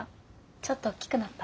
ちょっと大きくなった？